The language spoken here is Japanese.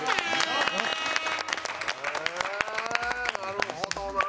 なるほどな。